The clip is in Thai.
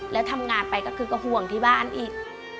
แล้วทำงานไปก็คือก็ห่วงที่บ้านอีก